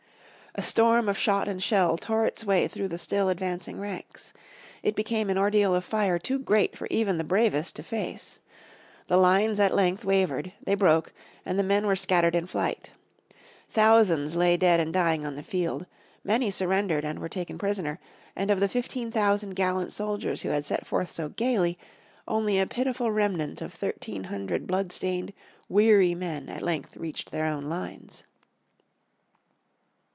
A storm of shot and shell tore its way through the still advancing ranks. It became an ordeal of fire too great for even the bravest to face. The lines at length wavered, they broke, and the men were scattered in flight. Thousands lay dead and dying on the field, many surrendered and were taken prisoner, and of the fifteen thousand gallant soldiers who had set forth so gaily, only a pitiful remnant of thirteen hundred blood stained, weary men at length reached their own lines.